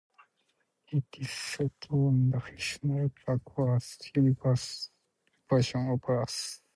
It is set on the fictional backwards universe version of Earth.